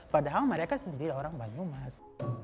padahal mereka sendiri orang banyumas